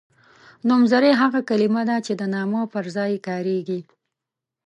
نومځری هغه کلمه ده چې د نامه پر ځای کاریږي.